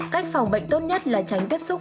cách phòng bệnh tốt nhất là tránh tiếp xúc